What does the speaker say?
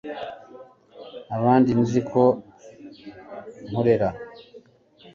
abandi, nzi ko nkorera